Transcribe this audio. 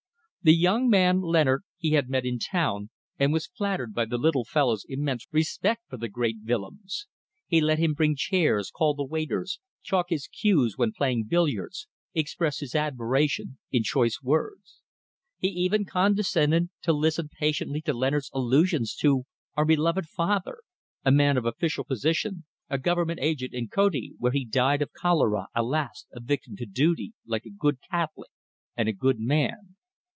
The young man Leonard he had met in town, and was flattered by the little fellow's immense respect for the great Willems. He let him bring chairs, call the waiters, chalk his cues when playing billiards, express his admiration in choice words. He even condescended to listen patiently to Leonard's allusions to "our beloved father," a man of official position, a government agent in Koti, where he died of cholera, alas! a victim to duty, like a good Catholic, and a good man.